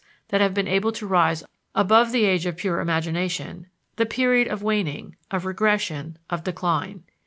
that have been able to rise above the age of (pure) imagination, the period of waning, of regression, of decline.